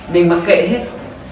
mình mà kệ hết